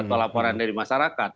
atau laporan dari masyarakat